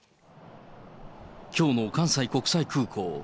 きょうの関西国際空港。